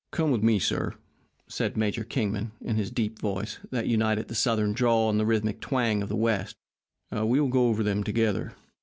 "Come with me, sir," said Major Kingman, in his deep voice, that united the Southern drawl with the rhythmic twang of the West; "We will go over them together.